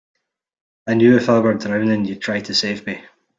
I knew if I were drowning you'd try to save me.